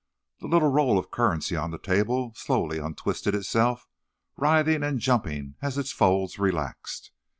The little roll of currency on the table slowly untwisted itself, writhing and jumping as its folds relaxed.